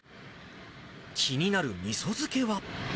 気になるみそ漬けは。